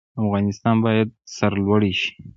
افغانستان باید سرلوړی شي